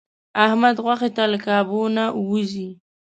احمد غوښې ته له کابو نه و ځي.